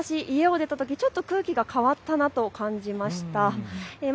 けさ私家を出たとき空気が変わったなと感じました。